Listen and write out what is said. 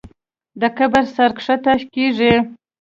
د کبر سر ښکته کېږي.